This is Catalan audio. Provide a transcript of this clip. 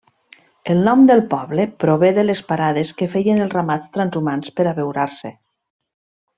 El nom del poble prové de les parades que feien els ramats transhumants per abeurar-se.